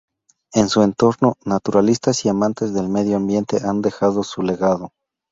En su entorno, naturalistas y amantes del medio ambiente han dejado su legado.